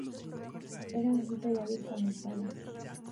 Era bajito y hábil con la espada.